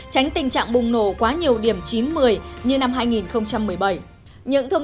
tránh tình trạng bùng nổ quá nhiều điểm chín một mươi như năm hai nghìn một mươi bảy